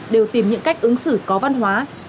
đều tìm những cách ứng xử với nhau